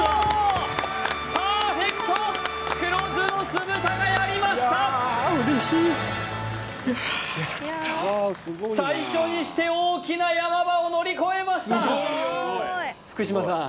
パーフェクト黒酢の酢豚がやりましたいや嬉しい最初にして大きな山場を乗り越えました福島さん